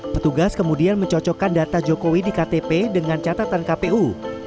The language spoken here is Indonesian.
petugas kemudian mencocokkan data jokowi di ktp dengan catatan kpu